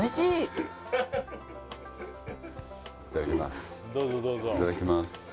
いただきます